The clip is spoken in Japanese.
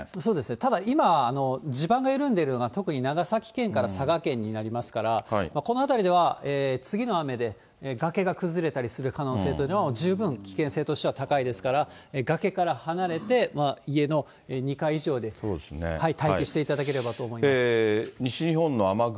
ただ、今、地盤が緩んでいるのが特に長崎県から佐賀県になりますから、この辺りでは、次の雨で崖が崩れたりする可能性というのは十分危険性としては高いですから、崖から離れて、家の２階以上で待機していただければと思います。